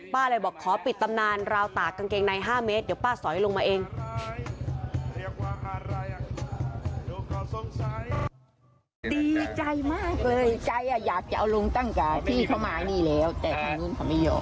เลยบอกขอปิดตำนานราวตากกางเกงใน๕เมตรเดี๋ยวป้าสอยลงมาเอง